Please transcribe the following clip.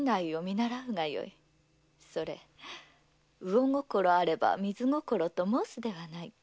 それ「魚心あれば水心」と申すではないか。